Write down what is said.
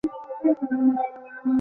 বড়-বড় চোখ, পাতলা নাক।